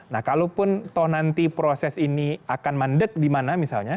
nah kalaupun toh nanti proses ini akan mandek di mana misalnya